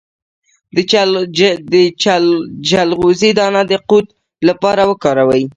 د چلغوزي دانه د قوت لپاره وکاروئ